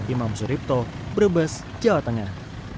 imam suripto brebes jawa tengah